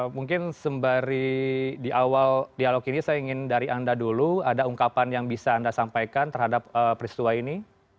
mungkin sembari di awal dialog ini saya ingin dari anda dulu ada ungkapan yang bisa anda sampaikan terhadap peristiwa ini